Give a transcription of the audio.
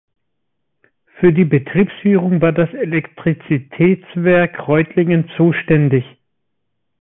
Für die Betriebsführung war das Elektrizitätswerk Reutlingen zuständig.